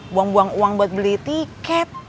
buang buang uang buat beli tiket